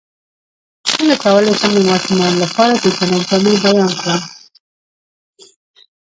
څنګه کولی شم د ماشومانو لپاره د جنت جامې بیان کړم